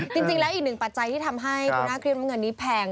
จริงแล้วอีกหนึ่งปัจจัยที่ทำให้คุณน่าเครียดน้ำเงินนี้แพง